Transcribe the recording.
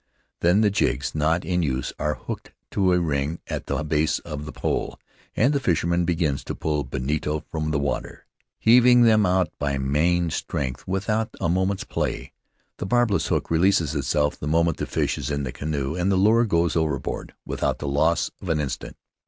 Then the jigs not in use are hooked to a ring at the base of the pole, and the fisherman begins to pull bonito from Marooned on Mataora the water, heaving them out by main strength, without a moment's play. The barbless hook releases itself the moment the fish is in the canoe, and the lure goes overboard without the loss of an instant.